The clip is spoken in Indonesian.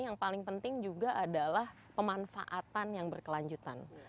yang paling penting juga adalah pemanfaatan yang berkelanjutan